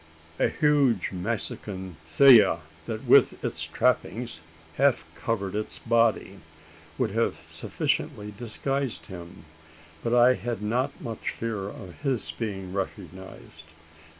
A huge Mexican silla, that with its trappings half covered its body, would have sufficiently disguised him; but I had not much fear of his being recognised.